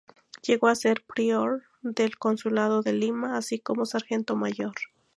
Llegó a ser prior del Consulado de Lima, así como sargento mayor.